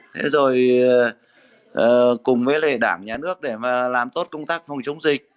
thế rồi cùng với lễ đảng nhà nước để làm tốt công tác phòng chống dịch